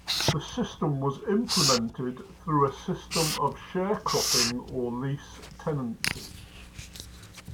The system was implemented through a system of sharecropping or lease-tenancy.